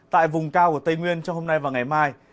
tại vùng cao của tây nguyên trong hôm nay và ngày mai